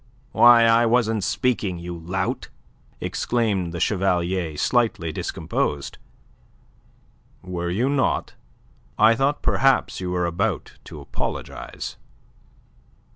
"Why, I wasn't speaking, you lout!" exclaimed the Chevalier, slightly discomposed. "Were you not? I thought perhaps you were about to apologize."